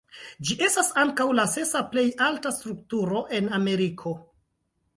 Ĝi estas ankaŭ la sesa plej alta strukturo en Ameriko.